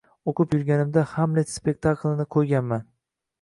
O‘qib yurganimda hamlet spektaklini qo‘yganman.